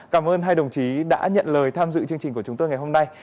cảm ơn hai đồng chí đã nhận lời tham dự chương trình của chúng tôi ngày hôm nay